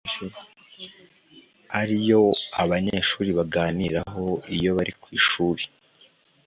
ari yo abanyeshuri baganiraho iyo bari ku ishuri